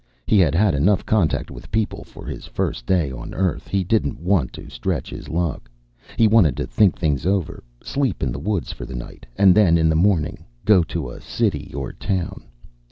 He had had enough contact with people for his first day on Earth. He didn't want to stretch his luck. He wanted to think things over, sleep in the woods for the night, and then in the morning go to a city or town.